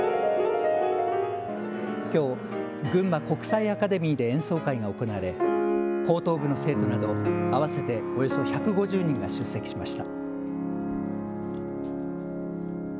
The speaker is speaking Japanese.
きょう、ぐんま国際アカデミーで演奏会が行われ高等部の生徒など合わせておよそ１５０人が出席しました。